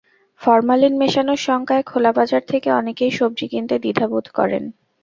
Formalin মেশানোর শঙ্কায় খোলা বাজার থেকে অনেকেই সবজি কিনতে দ্বিধা বোধ করেন।